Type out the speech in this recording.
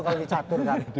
kalo dicatur kan